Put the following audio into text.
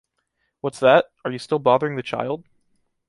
What’s that? are you still bothering the child?